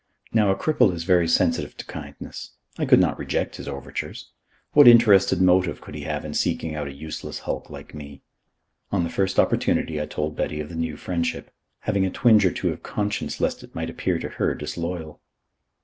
Now a cripple is very sensitive to kindness. I could not reject his overtures. What interested motive could he have in seeking out a useless hulk like me? On the first opportunity I told Betty of the new friendship, having a twinge or two of conscience lest it might appear to her disloyal.